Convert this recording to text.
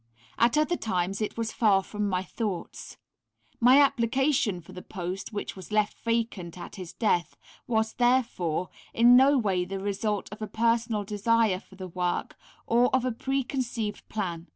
At other times it was far from my thoughts. My application for the post, which was left vacant at his death, was, therefore, in no way the result of a personal desire for the work or of a pre conceived plan.